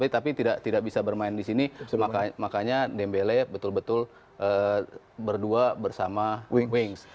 tapi tidak bisa bermain disini makanya dembele betul betul berdua bersama wings